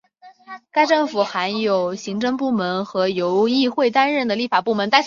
该政府含有行政部门和由议会担任的立法部门。